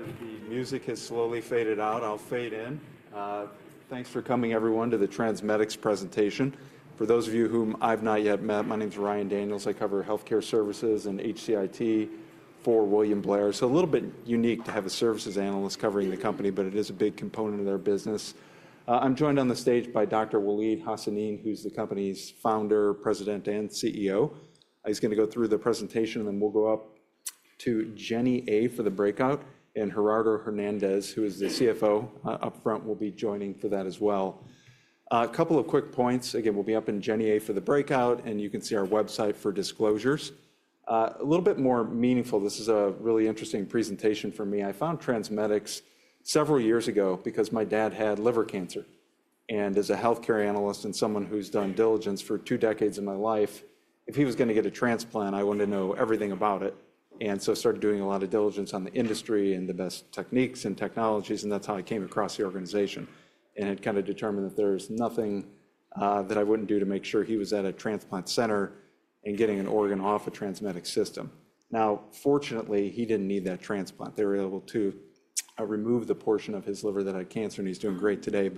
All right, as the music has slowly faded out, I'll fade in. Thanks for coming, everyone, to the TransMedics presentation. For those of you whom I've not yet met, my name is Ryan Daniels. I cover healthcare services and HCIT for William Blair. It's a little bit unique to have a services analyst covering the company, but it is a big component of their business. I'm joined on the stage by Dr. Waleed Hassanein, who's the company's founder, President, and CEO. He's going to go through the presentation, and then we'll go up to Jenny A for the breakout, and Gerardo Hernandez, who is the CFO up front, will be joining for that as well. A couple of quick points. Again, we'll be up in Jenny A for the breakout, and you can see our website for disclosures. A little bit more meaningful, this is a really interesting presentation for me. I found TransMedics several years ago because my dad had liver cancer. And as a healthcare analyst and someone who's done diligence for two decades of my life, if he was going to get a transplant, I wanted to know everything about it. I started doing a lot of diligence on the industry and the best techniques and technologies, and that's how I came across the organization. It kind of determined that there's nothing that I wouldn't do to make sure he was at a transplant center and getting an organ off a TransMedics system. Now, fortunately, he didn't need that transplant. They were able to remove the portion of his liver that had cancer, and he's doing great today.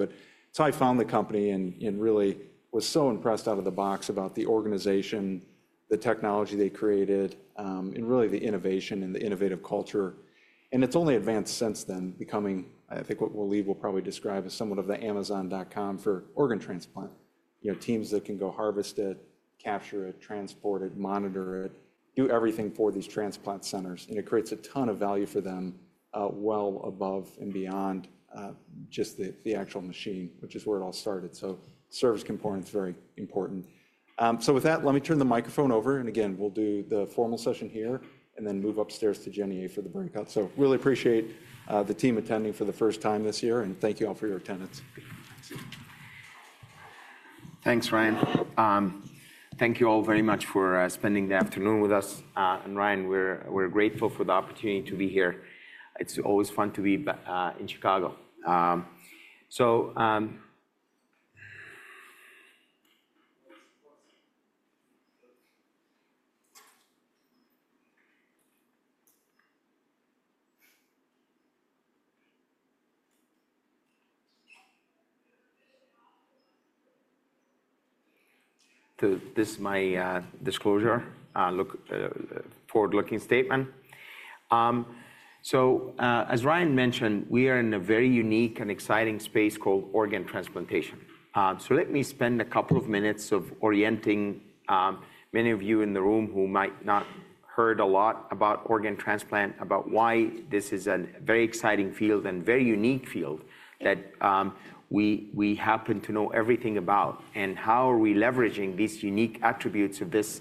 I found the company and really was so impressed out of the box about the organization, the technology they created, and really the innovation and the innovative culture. It has only advanced since then, becoming, I think, what Waleed will probably describe as somewhat of the Amazon.com for organ transplant. Teams that can go harvest it, capture it, transport it, monitor it, do everything for these transplant centers. It creates a ton of value for them well above and beyond just the actual machine, which is where it all started. The service component is very important. With that, let me turn the microphone over. Again, we will do the formal session here and then move upstairs to Jenny A for the breakout. I really appreciate the team attending for the first time this year. Thank you all for your attendance. Thanks, Ryan. Thank you all very much for spending the afternoon with us. Ryan, we're grateful for the opportunity to be here. It's always fun to be in Chicago. This is my disclosure, forward-looking statement. As Ryan mentioned, we are in a very unique and exciting space called organ transplantation. Let me spend a couple of minutes orienting many of you in the room who might not have heard a lot about organ transplant, about why this is a very exciting field and very unique field that we happen to know everything about and how we are leveraging these unique attributes of this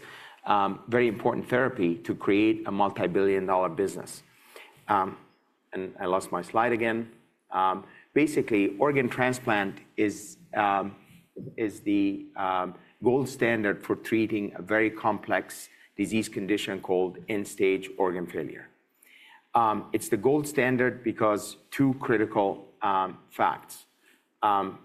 very important therapy to create a multi-billion dollar business. I lost my slide again. Basically, organ transplant is the gold standard for treating a very complex disease condition called end-stage organ failure. It's the gold standard because of two critical facts. One,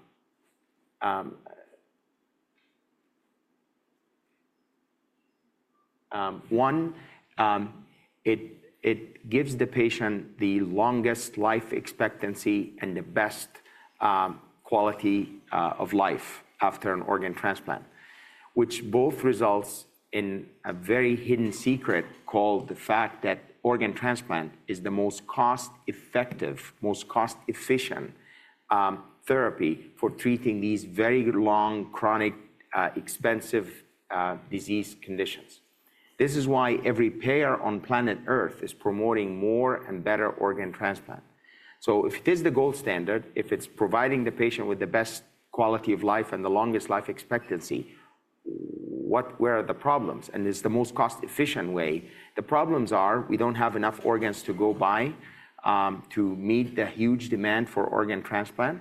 it gives the patient the longest life expectancy and the best quality of life after an organ transplant, which both results in a very hidden secret called the fact that organ transplant is the most cost-effective, most cost-efficient therapy for treating these very long, chronic, expensive disease conditions. This is why every payer on planet Earth is promoting more and better organ transplant. If it is the gold standard, if it is providing the patient with the best quality of life and the longest life expectancy, where are the problems? It is the most cost-efficient way. The problems are we do not have enough organs to go by to meet the huge demand for organ transplant.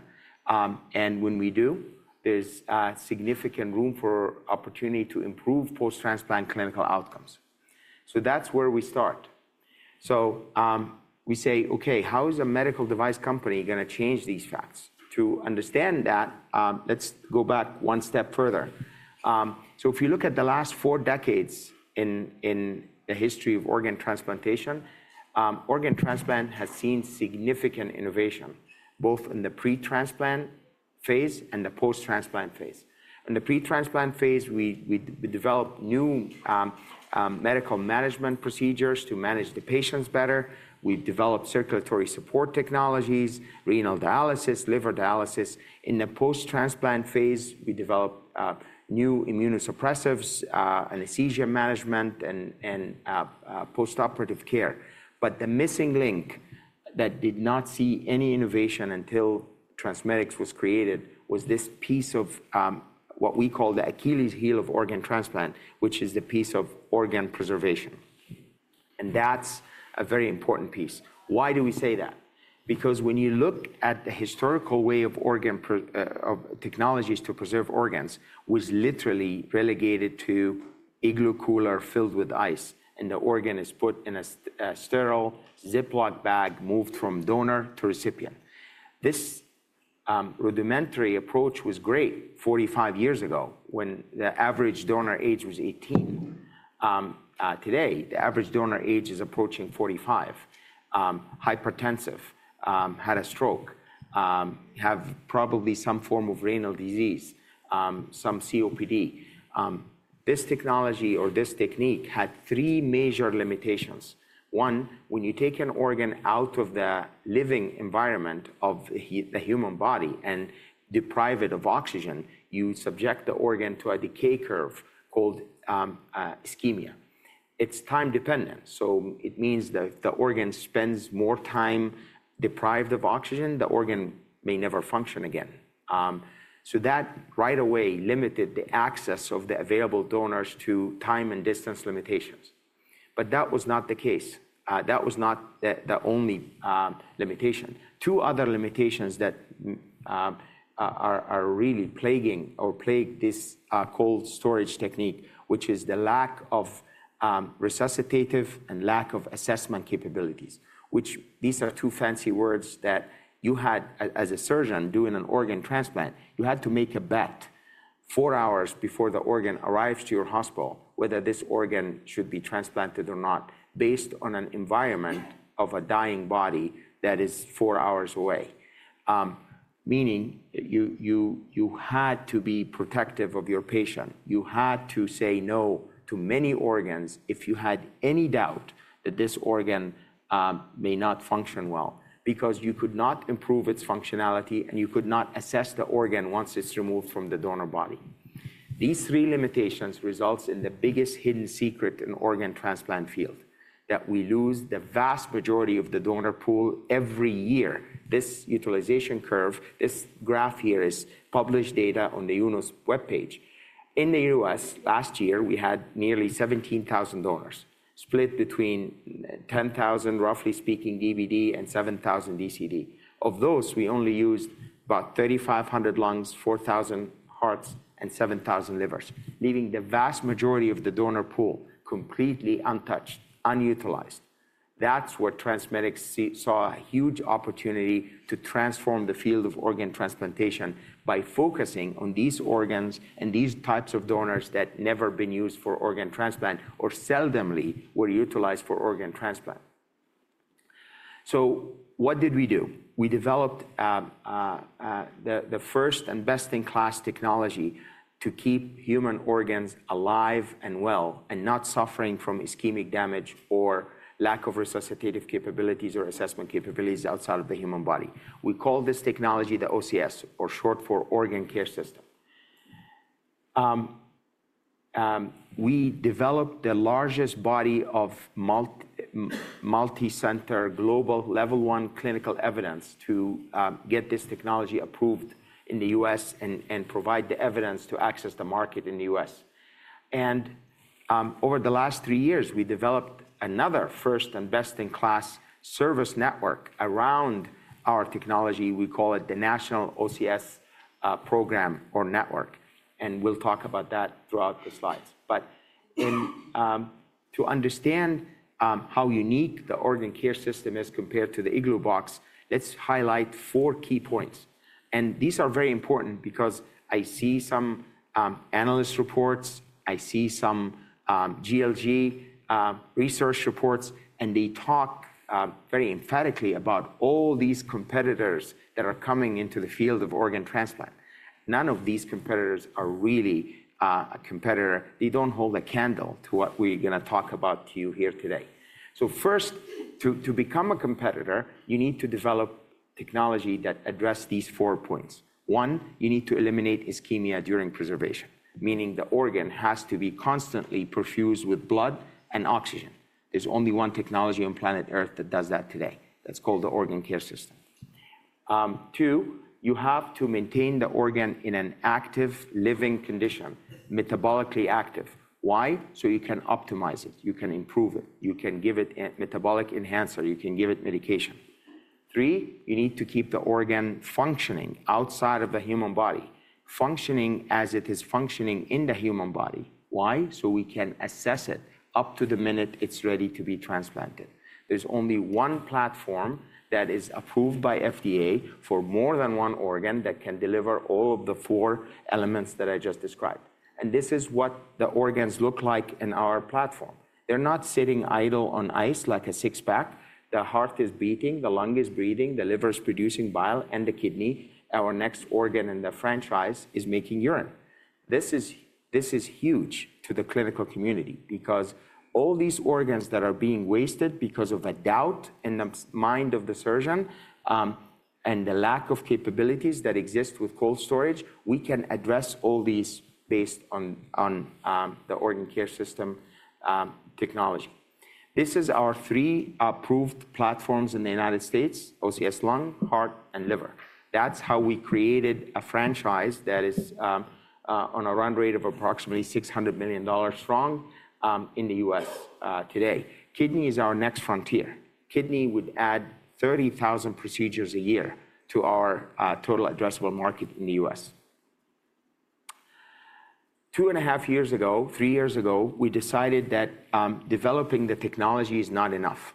When we do, there is significant room for opportunity to improve post-transplant clinical outcomes. That is where we start. We say, okay, how is a medical device company going to change these facts? To understand that, let's go back one step further. If you look at the last four decades in the history of organ transplantation, organ transplant has seen significant innovation, both in the pre-transplant phase and the post-transplant phase. In the pre-transplant phase, we developed new medical management procedures to manage the patients better. We developed circulatory support technologies, renal dialysis, liver dialysis. In the post-transplant phase, we developed new immunosuppressives, anesthesia management, and post-operative care. The missing link that did not see any innovation until TransMedics was created was this piece of what we call the Achilles heel of organ transplant, which is the piece of organ preservation. That is a very important piece. Why do we say that? Because when you look at the historical way of organ technologies to preserve organs, it was literally relegated to igloo cooler filled with ice, and the organ is put in a sterile Ziploc bag moved from donor to recipient. This rudimentary approach was great 45 years ago when the average donor age was 18. Today, the average donor age is approaching 45, hypertensive, had a stroke, have probably some form of renal disease, some COPD. This technology or this technique had three major limitations. One, when you take an organ out of the living environment of the human body and deprive it of oxygen, you subject the organ to a decay curve called ischemia. It's time-dependent. It means that if the organ spends more time deprived of oxygen, the organ may never function again. That right away limited the access of the available donors to time and distance limitations. That was not the only limitation. Two other limitations that are really plaguing or plague this cold storage technique, which is the lack of resuscitative and lack of assessment capabilities, which these are two fancy words that you had as a surgeon doing an organ transplant. You had to make a bet four hours before the organ arrives to your hospital whether this organ should be transplanted or not based on an environment of a dying body that is four hours away. Meaning you had to be protective of your patient. You had to say no to many organs if you had any doubt that this organ may not function well because you could not improve its functionality and you could not assess the organ once it's removed from the donor body. These three limitations result in the biggest hidden secret in the organ transplant field that we lose the vast majority of the donor pool every year. This utilization curve, this graph here is published data on the UNOS web page. In the U.S., last year, we had nearly 17,000 donors split between 10,000, roughly speaking, DBD and 7,000 DCD. Of those, we only used about 3,500 lungs, 4,000 hearts, and 7,000 livers, leaving the vast majority of the donor pool completely untouched, unutilized. That's where TransMedics saw a huge opportunity to transform the field of organ transplantation by focusing on these organs and these types of donors that had never been used for organ transplant or seldomly were utilized for organ transplant. What did we do? We developed the first and best-in-class technology to keep human organs alive and well and not suffering from ischemic damage or lack of resuscitative capabilities or assessment capabilities outside of the human body. We call this technology the OCS, or short for Organ Care System. We developed the largest body of multicenter global level one clinical evidence to get this technology approved in the U.S. and provide the evidence to access the market in the U.S. Over the last three years, we developed another first and best-in-class service network around our technology. We call it the National OCS Program or network. We will talk about that throughout the slides. To understand how unique the organ care system is compared to the igloo box, let's highlight four key points. These are very important because I see some analyst reports, I see some GLG research reports, and they talk very emphatically about all these competitors that are coming into the field of organ transplant. None of these competitors are really a competitor. They do not hold a candle to what we are going to talk about to you here today. First, to become a competitor, you need to develop technology that addresses these four points. One, you need to eliminate ischemia during preservation, meaning the organ has to be constantly perfused with blood and oxygen. There is only one technology on planet Earth that does that today. That is called the organ care system. Two, you have to maintain the organ in an active living condition, metabolically active. Why? So you can optimize it. You can improve it. You can give it metabolic enhancer. You can give it medication. Three, you need to keep the organ functioning outside of the human body, functioning as it is functioning in the human body. Why? So we can assess it up to the minute it's ready to be transplanted. There's only one platform that is approved by FDA for more than one organ that can deliver all of the four elements that I just described. This is what the organs look like in our platform. They're not sitting idle on ice like a six-pack. The heart is beating, the lung is breathing, the liver is producing bile, and the kidney, our next organ in the franchise, is making urine. This is huge to the clinical community because all these organs that are being wasted because of a doubt in the mind of the surgeon and the lack of capabilities that exist with cold storage, we can address all these based on the Organ Care System technology. This is our three approved platforms in the U.S.: OCS Lung, Heart, and Liver. That is how we created a franchise that is on a run rate of approximately $600 million strong in the U.S. today. Kidney is our next frontier. Kidney would add 30,000 procedures a year to our total addressable market in the U.S. Two and a half years ago, three years ago, we decided that developing the technology is not enough.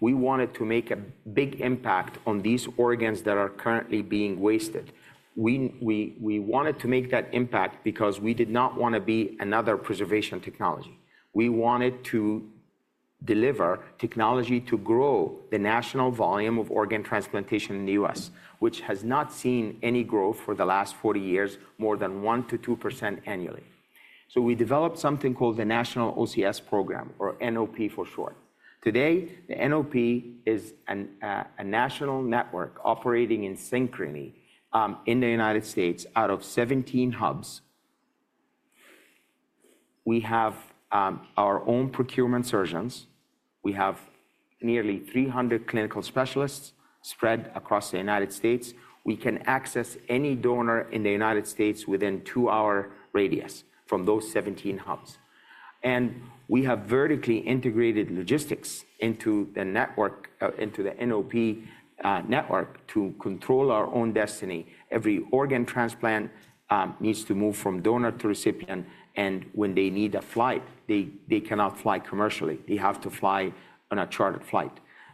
We wanted to make a big impact on these organs that are currently being wasted. We wanted to make that impact because we did not want to be another preservation technology. We wanted to deliver technology to grow the national volume of organ transplantation in the U.S., which has not seen any growth for the last 40 years, more than 1%-2% annually. We developed something called the National OCS Program, or NOP for short. Today, the NOP is a national network operating in synchrony in the United States out of 17 hubs. We have our own procurement surgeons. We have nearly 300 clinical specialists spread across the United States. We can access any donor in the United States within a two-hour radius from those 17 hubs. We have vertically integrated logistics into the network, into the NOP network to control our own destiny. Every organ transplant needs to move from donor to recipient. When they need a flight, they cannot fly commercially. They have to fly on a chartered flight.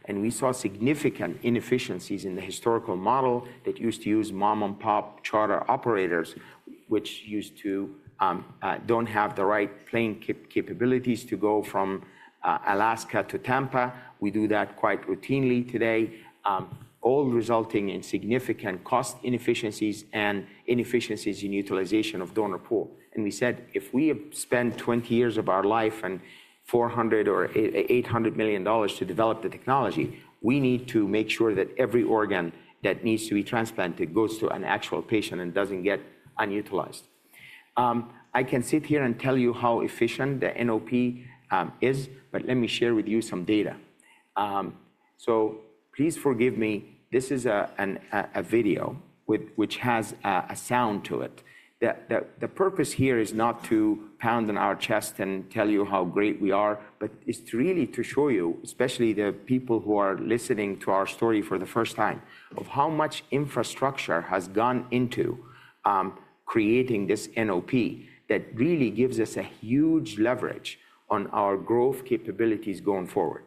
We saw significant inefficiencies in the historical model that used to use mom-and-pop charter operators, which do not have the right plane capabilities to go from Alaska to Tampa. We do that quite routinely today, all resulting in significant cost inefficiencies and inefficiencies in utilization of the donor pool. We said, if we spend 20 years of our life and $400 million or $800 million to develop the technology, we need to make sure that every organ that needs to be transplanted goes to an actual patient and does not get unutilized. I can sit here and tell you how efficient the NOP is, but let me share with you some data. Please forgive me. This is a video which has a sound to it. The purpose here is not to pound on our chest and tell you how great we are, but it's really to show you, especially the people who are listening to our story for the first time, of how much infrastructure has gone into creating this NOP that really gives us a huge leverage on our growth capabilities going forward.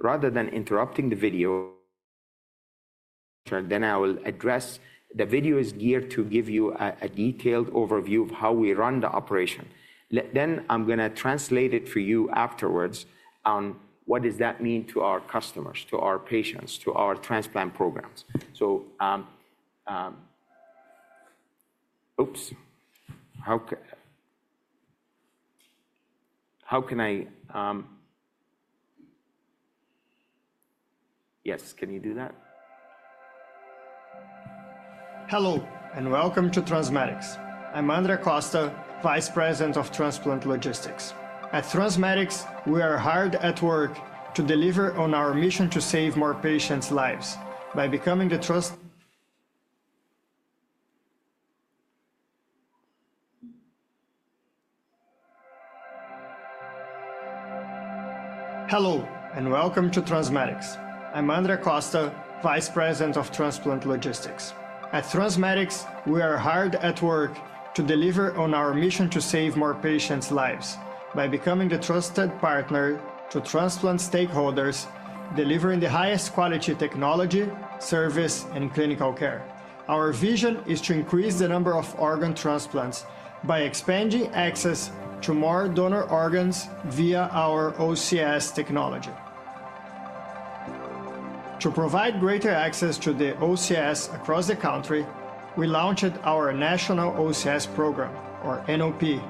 Rather than interrupting the video, I will address the video is geared to give you a detailed overview of how we run the operation. I'm going to translate it for you afterwards on what does that mean to our customers, to our patients, to our transplant programs. So oops. How can I? Yes, can you do that? Hello and welcome to TransMedics. I'm Andrea Costa, Vice President of Transplant Logistics. At TransMedics, we are hard at work to deliver on our mission to save more patients' lives by becoming the trusted partner to transplant stakeholders, delivering the highest quality technology, service, and clinical care. Our vision is to increase the number of organ transplants by expanding access to more donor organs via our OCS technology. To provide greater access to the OCS across the country, we launched our National OCS Program, or NOP.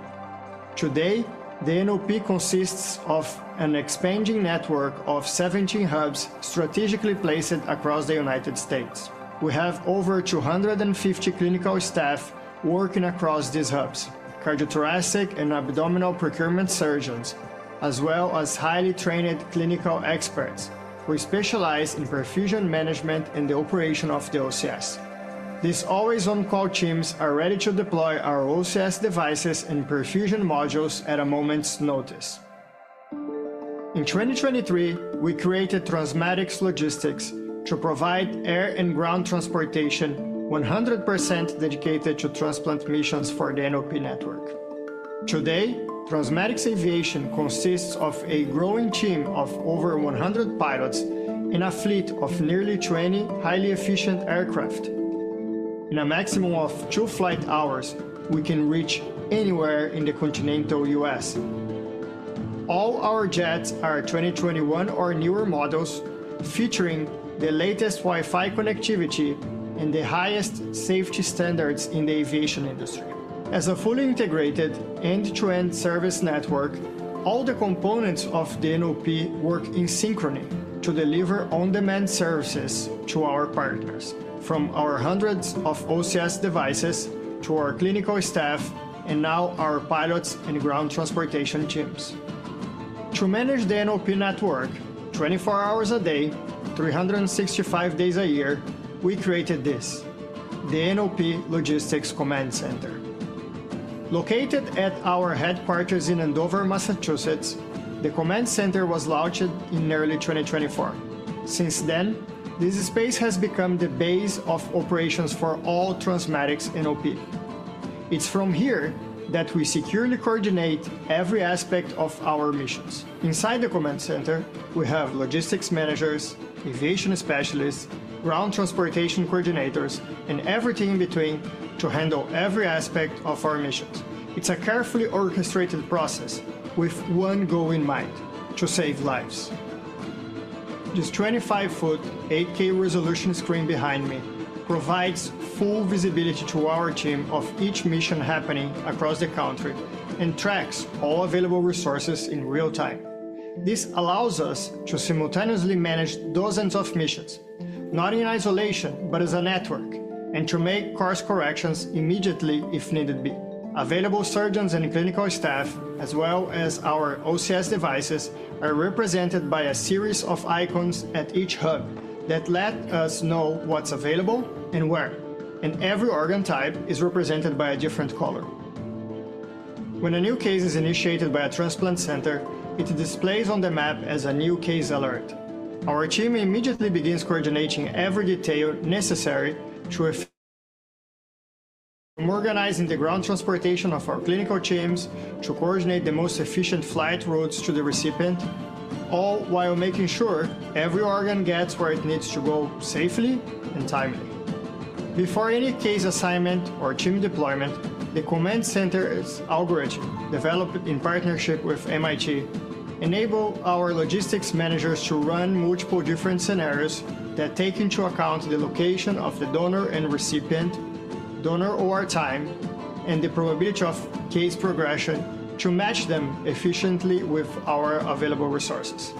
Today, the NOP consists of an expanding network of 17 hubs strategically placed across the United States. We have over 250 clinical staff working across these hubs, cardiothoracic and abdominal procurement surgeons, as well as highly trained clinical experts who specialize in perfusion management and the operation of the OCS. These always-on call teams are ready to deploy our OCS devices and perfusion modules at a moment's notice. In 2023, we created TransMedics Logistics to provide air and ground transportation 100% dedicated to transplant missions for the NOP network. Today, TransMedics Aviation consists of a growing team of over 100 pilots in a fleet of nearly 20 highly efficient aircraft. In a maximum of two flight hours, we can reach anywhere in the continental U.S. All our jets are 2021 or newer models featuring the latest Wi-Fi connectivity and the highest safety standards in the aviation industry. As a fully integrated end-to-end service network, all the components of the NOP work in synchrony to deliver on-demand services to our partners, from our hundreds of OCS devices to our clinical staff and now our pilots and ground transportation teams. To manage the NOP network 24 hours a day, 365 days a year, we created this: the NOP Logistics Command Center. Located at our headquarters in Andover, Massachusetts, the Command Center was launched in early 2024. Since then, this space has become the base of operations for all TransMedics NOP. It's from here that we securely coordinate every aspect of our missions. Inside the Command Center, we have logistics managers, aviation specialists, ground transportation coordinators, and everything in between to handle every aspect of our missions. It's a carefully orchestrated process with one goal in mind: to save lives. This 25-foot 8K resolution screen behind me provides full visibility to our team of each mission happening across the country and tracks all available resources in real time. This allows us to simultaneously manage dozens of missions, not in isolation, but as a network, and to make course corrections immediately if need be. Available surgeons and clinical staff, as well as our OCS devices, are represented by a series of icons at each hub that let us know what's available and where. Every organ type is represented by a different color. When a new case is initiated by a transplant center, it displays on the map as a new case alert. Our team immediately begins coordinating every detail necessary to organizing the ground transportation of our clinical teams to coordinate the most efficient flight routes to the recipient, all while making sure every organ gets where it needs to go safely and timely. Before any case assignment or team deployment, the Command Center's algorithm developed in partnership with MIT enables our logistics managers to run multiple different scenarios that take into account the location of the donor and recipient, donor OR time, and the probability of case progression to match them efficiently with our available resources.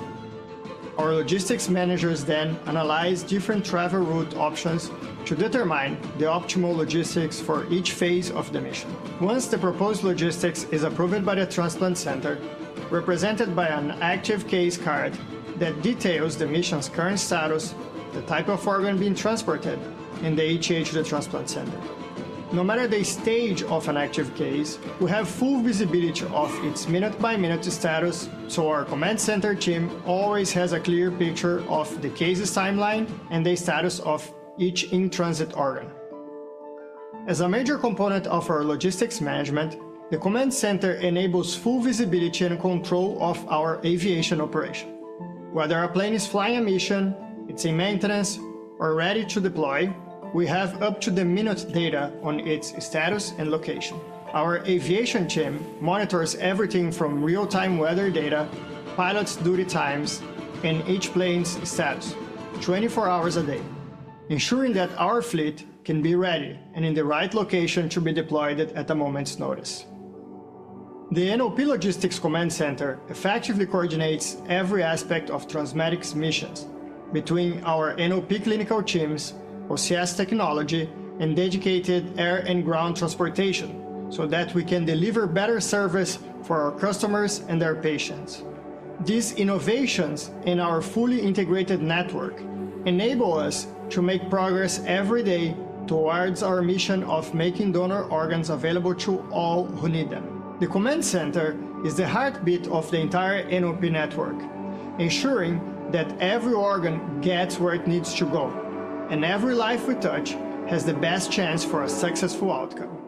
Our logistics managers then analyze different travel route options to determine the optimal logistics for each phase of the mission. Once the proposed logistics is approved by the transplant center, represented by an active case card that details the mission's current status, the type of organ being transported, and the ETA to the transplant center. No matter the stage of an active case, we have full visibility of its minute-by-minute status, so our Command Center team always has a clear picture of the case's timeline and the status of each in-transit organ. As a major component of our logistics management, the Command Center enables full visibility and control of our aviation operation. Whether a plane is flying a mission, it is in maintenance, or ready to deploy, we have up-to-the-minute data on its status and location. Our aviation team monitors everything from real-time weather data, pilots' duty times, and each plane's status 24 hours a day, ensuring that our fleet can be ready and in the right location to be deployed at a moment's notice. The NOP Logistics Command Center effectively coordinates every aspect of TransMedics missions between our NOP clinical teams, OCS technology, and dedicated air and ground transportation so that we can deliver better service for our customers and their patients. These innovations in our fully integrated network enable us to make progress every day towards our mission of making donor organs available to all who need them. The Command Center is the heartbeat of the entire NOP network, ensuring that every organ gets where it needs to go, and every life we touch has the best chance for a successful outcome.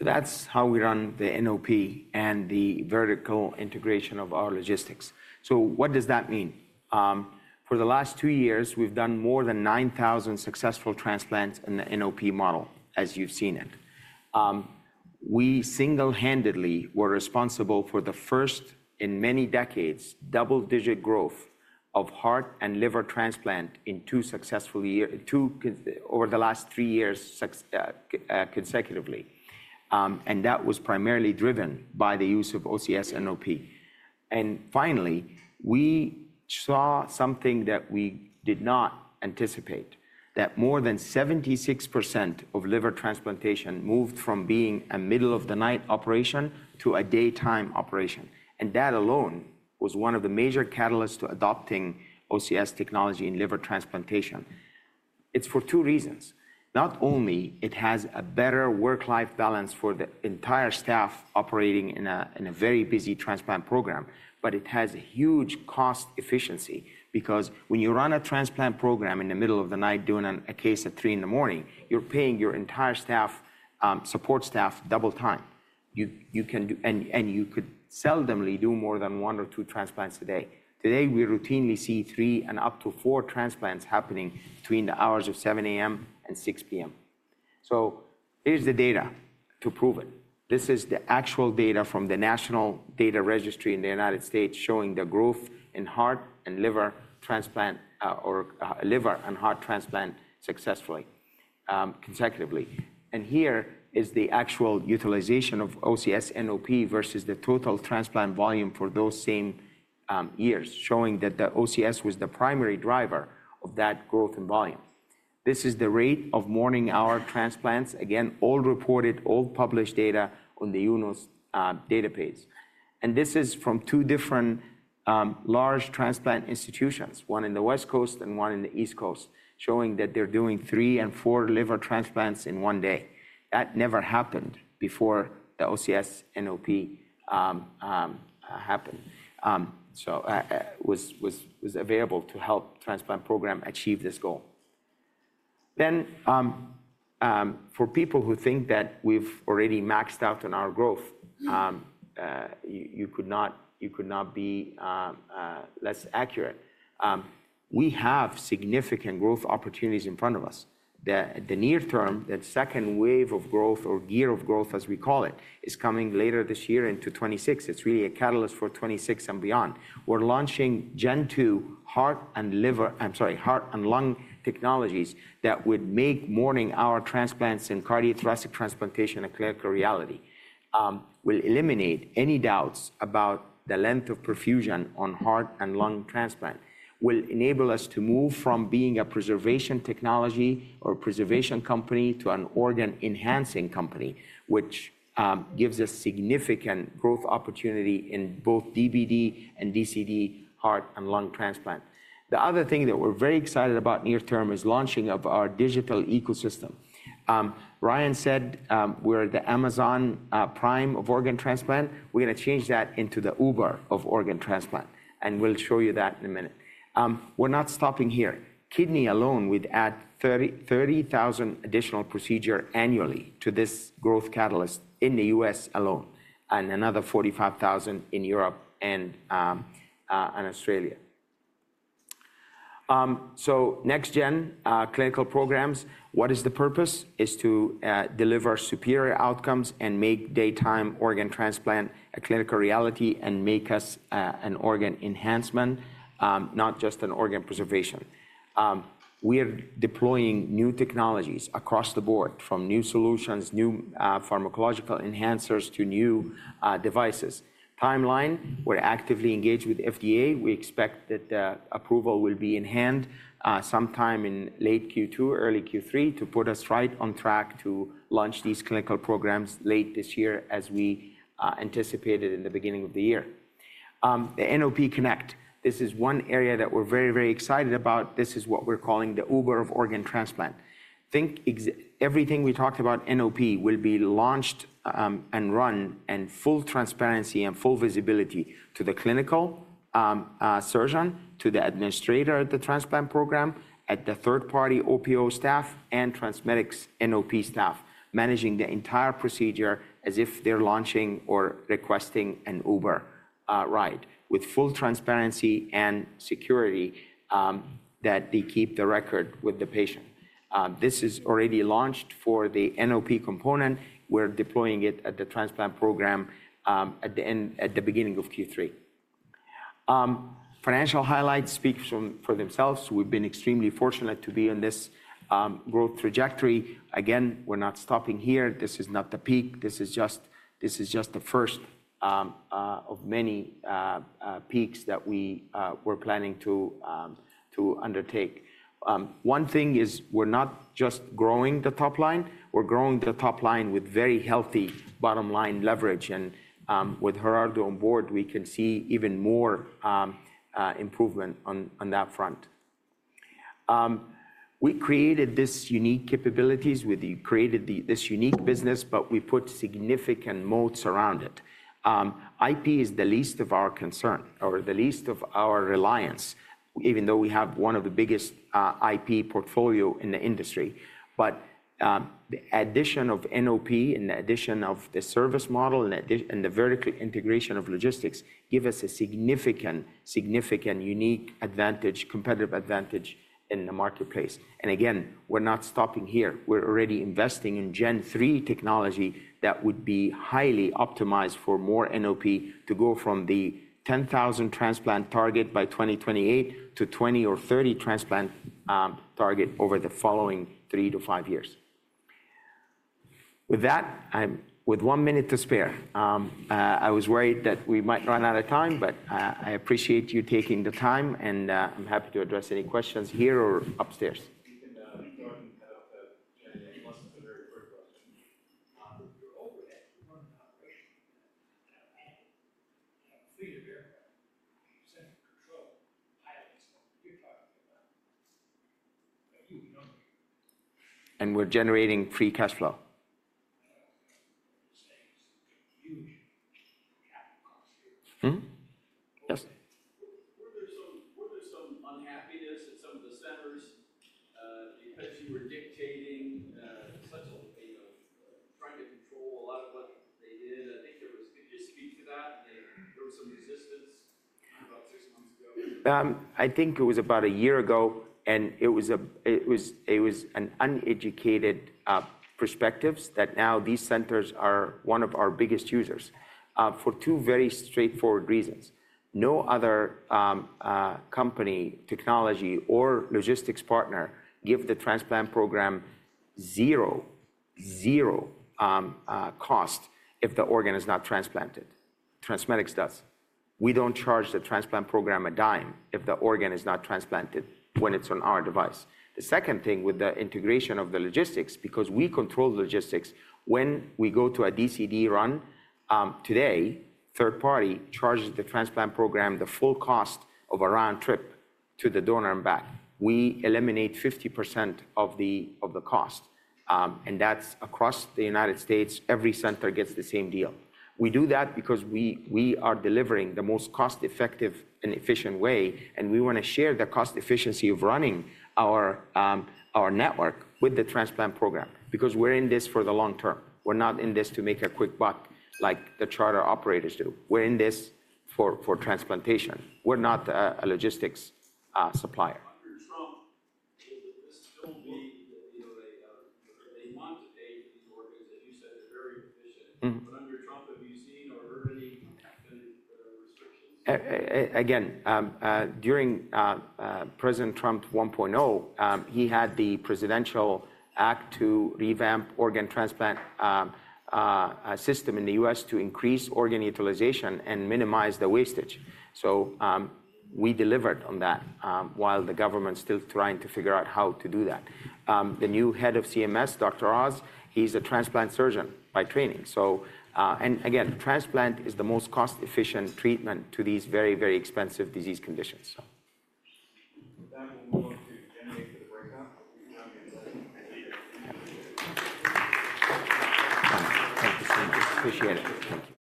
That is how we run the NOP and the vertical integration of our logistics. What does that mean? For the last two years, we have done more than 9,000 successful transplants in the NOP model, as you have seen it. We single-handedly were responsible for the first in many decades double-digit growth of heart and liver transplant in two successful years over the last three years consecutively. That was primarily driven by the use of OCS NOP. Finally, we saw something that we did not anticipate, that more than 76% of liver transplantation moved from being a middle-of-the-night operation to a daytime operation. That alone was one of the major catalysts to adopting OCS technology in liver transplantation. It is for two reasons. Not only does it have a better work-life balance for the entire staff operating in a very busy transplant program, but it has huge cost efficiency because when you run a transplant program in the middle of the night doing a case at 3:00 A.M., you're paying your entire support staff double time. You could seldomly do more than one or two transplants a day. Today, we routinely see three and up to four transplants happening between the hours of 7:00 A.M. and 6:00 P.M. Here's the data to prove it. This is the actual data from the National Data Registry in the United States showing the growth in heart and liver transplant or liver and heart transplant successfully consecutively. Here is the actual utilization of OCS NOP versus the total transplant volume for those same years, showing that the OCS was the primary driver of that growth in volume. This is the rate of morning-hour transplants, again, all reported, all published data on the UNOS database. This is from two different large transplant institutions, one on the West Coast and one on the East Coast, showing that they're doing three and four liver transplants in one day. That never happened before the OCS NOP happened. It was available to help the transplant program achieve this goal. For people who think that we've already maxed out on our growth, you could not be less accurate. We have significant growth opportunities in front of us. The near term, that second wave of growth or year of growth, as we call it, is coming later this year into 2026. It's really a catalyst for 2026 and beyond. We're launching Gen2 Heart and Lung—I'm sorry, heart and lung technologies that would make morning-hour transplants and cardiothoracic transplantation a clinical reality. We'll eliminate any doubts about the length of perfusion on heart and lung transplant. We'll enable us to move from being a preservation technology or a preservation company to an organ-enhancing company, which gives us significant growth opportunity in both DBD and DCD heart and lung transplant. The other thing that we're very excited about near term is launching of our digital ecosystem. Ryan said we're the Amazon Prime of organ transplant. We're going to change that into the Uber of organ transplant. We'll show you that in a minute. We're not stopping here. Kidney alone would add 30,000 additional procedures annually to this growth catalyst in the U.S. alone and another 45,000 in Europe and Australia. Next-gen clinical programs, what is the purpose? It is to deliver superior outcomes and make daytime organ transplant a clinical reality and make us an organ enhancement, not just an organ preservation. We are deploying new technologies across the board, from new solutions, new pharmacological enhancers to new devices. Timeline, we are actively engaged with FDA. We expect that approval will be in hand sometime in late Q2, early Q3 to put us right on track to launch these clinical programs late this year, as we anticipated in the beginning of the year. The NOP Connect, this is one area that we are very, very excited about. This is what we are calling the Uber of organ transplant. Think everything we talked about NOP will be launched and run in full transparency and full visibility to the clinical surgeon, to the administrator of the transplant program, at the third-party OPO staff, and TransMedics NOP staff managing the entire procedure as if they're launching or requesting an Uber ride with full transparency and security that they keep the record with the patient. This is already launched for the NOP component. We're deploying it at the transplant program at the beginning of Q3. Financial highlights speak for themselves. We've been extremely fortunate to be on this growth trajectory. Again, we're not stopping here. This is not the peak. This is just the first of many peaks that we were planning to undertake. One thing is we're not just growing the top line. We're growing the top line with very healthy bottom line leverage. With Gerardo on board, we can see even more improvement on that front. We created this unique capabilities. We created this unique business, but we put significant moats around it. IP is the least of our concern or the least of our reliance, even though we have one of the biggest IP portfolios in the industry. The addition of NOP and the addition of the service model and the vertical integration of logistics give us a significant, significant unique advantage, competitive advantage in the marketplace. Again, we're not stopping here. We're already investing in Gen3 technology that would be highly optimized for more NOP to go from the 10,000 transplant target by 2028 to 20,000 or 30,000 transplant target over the following three to five years. With that, with one minute to spare, I was worried that we might run out of time, but I appreciate you taking the time, and I'm happy to address any questions here or upstairs. You're talking about a very important question. Your overhead from an operation and a manual and a fleet of aircraft and your central control pilots, what you're talking about. We're generating free cash flow. I don't know what you're saying. It's a huge capital cost here. Yes. Were there some unhappiness at some of the centers because you were dictating such a way of trying to control a lot of what they did? I think there was. Could you speak to that? There was some resistance about six months ago. I think it was about a year ago, and it was an uneducated perspective that now these centers are one of our biggest users for two very straightforward reasons. No other company, technology, or logistics partner gives the transplant program zero, zero cost if the organ is not transplanted. TransMedics does. We do not charge the transplant program a dime if the organ is not transplanted when it is on our device. The second thing with the integration of the logistics, because we control the logistics, when we go to a DCD run today, third party charges the transplant program the full cost of a round trip to the donor and back. We eliminate 50% of the cost. That is across the United States. Every center gets the same deal. We do that because we are delivering the most cost-effective and efficient way, and we want to share the cost efficiency of running our network with the transplant program because we're in this for the long term. We're not in this to make a quick buck like the charter operators do. We're in this for transplantation. We're not a logistics supplier. Under Trump, is this still a they want to pay for these organs that you said are very efficient? Under Trump, have you seen or heard any restrictions? Again, during President Trump 1.0, he had the presidential act to revamp the organ transplant system in the U.S. to increase organ utilization and minimize the wastage. We delivered on that while the government's still trying to figure out how to do that. The new head of CMS, Dr. Oz, he's a transplant surgeon by training. Transplant is the most cost-efficient treatment to these very, very expensive disease conditions. That will go to Jenny for the breakout. Thank you. Appreciate it. Thank you.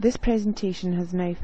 This presentation has now.